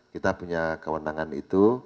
kita punya kewenangan itu